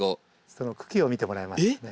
その茎を見てもらえますかね。